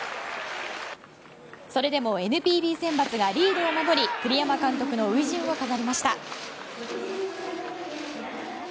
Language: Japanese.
それでもＮＰＢ選抜がリードを守り栗山監督の初陣を飾りました。